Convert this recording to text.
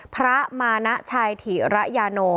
พระมานาชัยธีระยานช